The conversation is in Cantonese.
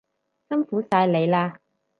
辛苦晒你喇